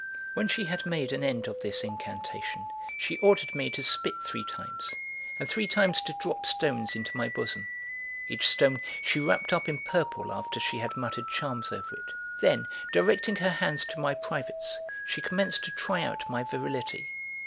When she had made an end of this incantation she ordered me to spit three times, and three times to drop stones into my bosom, each stone she wrapped up in purple after she had muttered charms over it; then, directing her hands to my privates, she commenced to try out my virility.